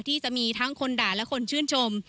ที่จะมีทั้งคนด่าและคนชื่นชม